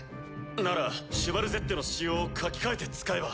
ならシュバルゼッテの仕様を書き換えて使えば。